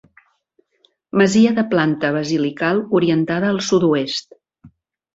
Masia de planta basilical orientada a sud-oest.